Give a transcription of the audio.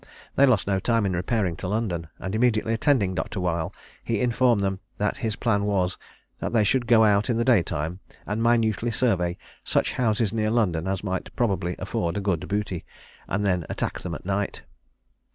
They lost no time in repairing to London, and, immediately attending Dr. Weil, he informed them that his plan was, that they should go out in the day time, and minutely survey such houses near London as might probably afford a good booty, and then attack them at night.